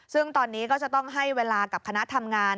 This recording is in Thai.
ซึ่งตอนนี้ก็จะต้องให้เวลากับคณะทำงาน